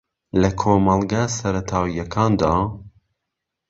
لە کۆمەڵگە سەرەتایییەکاندا